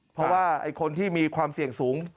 เพราะว่าคนที่มีความเสี่ยงสูง